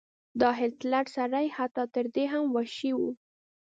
دا هټلر سړی حتی تر دې هم وحشي و.